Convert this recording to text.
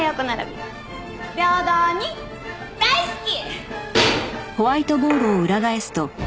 平等に大好き！